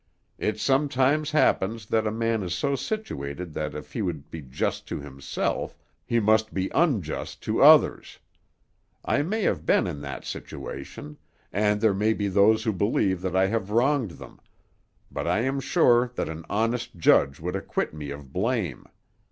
It sometimes happens that a man is so situated that if he would be just to himself he must be unjust to others. I may have been in that situation, and there may be those who believe that I have wronged them; but I am sure that an honest judge would acquit me of blame.